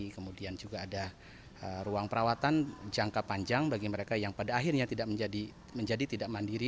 kemudian juga ada ruang perawatan jangka panjang bagi mereka yang pada akhirnya tidak menjadi tidak mandiri